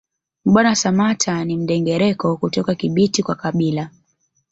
Mbwana Samatta ni Mndengereko kutoka Kibiti kwa kabila